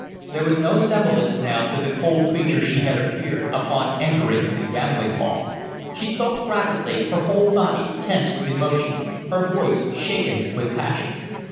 There was no semblance now to the cold creature she had appeared upon entering the gambling hall. She spoke rapidly, her whole body tense with emotion, her voice shaken with passion.